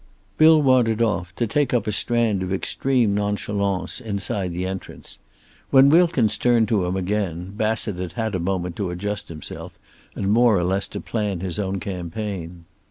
Bill wandered off, to take up a stand of extreme nonchalance inside the entrance. When Wilkins turned to him again Bassett had had a moment to adjust himself, and more or less to plan his own campaign.